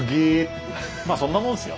まあそんなもんっすよ。